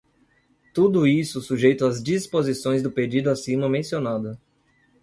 Tudo isso sujeito às disposições do pedido acima mencionado.